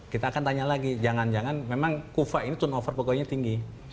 kita akan tanya lagi jangan jangan memang kufa ini turnover pokoknya tinggi